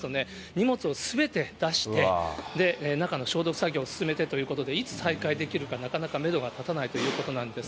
荷物をすべて出して、中の消毒作業を進めてということで、いつ再開できるか、なかなかメドが立たないということなんです。